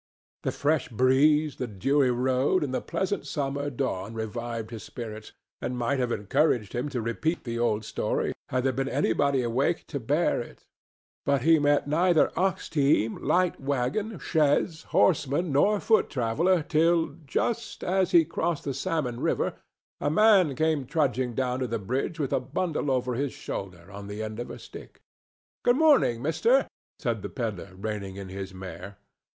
The fresh breeze, the dewy road and the pleasant summer dawn revived his spirits, and might have encouraged him to repeat the old story had there been anybody awake to bear it, but he met neither ox team, light wagon, chaise, horseman nor foot traveller till, just as he crossed Salmon River, a man came trudging down to the bridge with a bundle over his shoulder, on the end of a stick. "Good morning, mister," said the pedler, reining in his mare.